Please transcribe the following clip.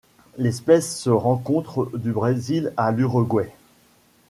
L'espèce se rencontre du Brésil à l'Uruguay.